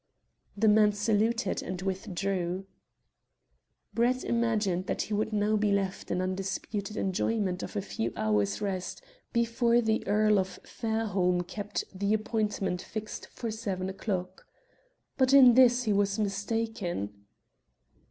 The man saluted and withdrew. Brett imagined that he would now be left in undisputed enjoyment of a few hours' rest before the Earl of Fairholme kept the appointment fixed for seven o'clock. But in this he was mistaken.